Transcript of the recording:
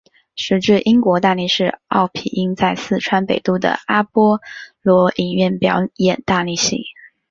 时值英国大力士奥皮音在四川北路的阿波罗影院表演大力戏。